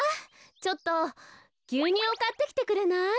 ちょっとぎゅうにゅうをかってきてくれない？